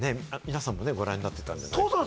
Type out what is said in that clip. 皆さんもご覧になってたかと。